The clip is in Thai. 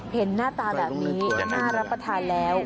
เห็นหน้าตาแบบนี้น่ารับประทานแล้ว